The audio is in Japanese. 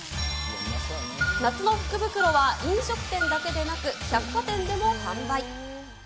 夏の福袋は、飲食店だけでなく百貨店でも販売。